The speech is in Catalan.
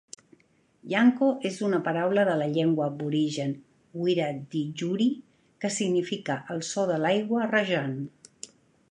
"Yanco" és una paraula de la llengua aborigen wiradjuri que significa "el so de l'aigua rajant".